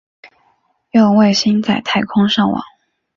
用卫星在太空上网